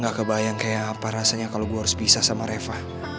gak kebayang kayak apa rasanya kalau gue harus bisa sama reva